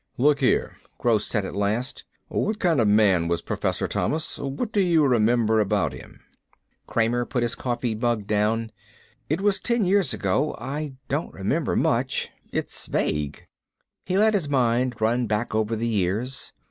"Look here," Gross said at last. "What kind of man was Professor Thomas? What do you remember about him?" Kramer put his coffee mug down. "It was ten years ago. I don't remember much. It's vague." He let his mind run back over the years.